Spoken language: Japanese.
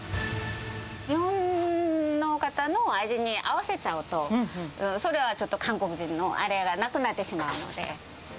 日本の方の味に合わせちゃうと、それはちょっと韓国人のあれがなくなってしまうので。